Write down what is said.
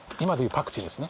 パクチーですね。